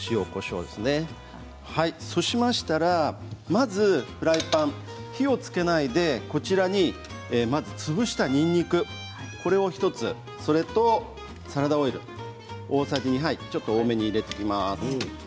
まずフライパン、火をつけないで潰したにんにく、これを１つそれとサラダオイル大さじ２杯ちょっと多めに入れていきます。